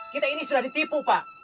kita ini sudah ditipu pak